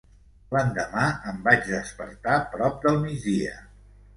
L'endemà em vaig despertar prop del migdia.